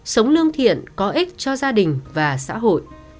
sống lương thiện có ích cho gia đình và xã hội